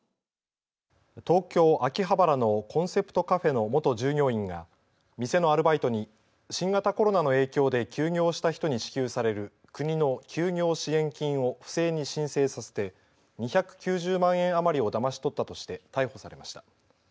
東京、秋葉原のコンセプトカフェの元従業員が店のアルバイトに新型コロナの影響で休業した人に支給される国の休業支援金を不正に申請させて２９０万円余りをだまし取ったとして逮捕されました。